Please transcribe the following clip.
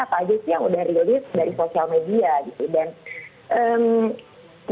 apa aja sih yang udah rilis dari sosial media gitu